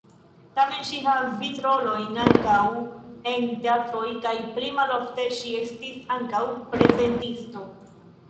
Tamen ŝi havis rolojn ankaŭ en teatroj kaj pli malofte ŝi estis ankaŭ prezentisto.